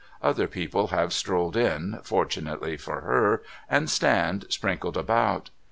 Other people have strolled in, fortunately for her, and stand sprinkled about.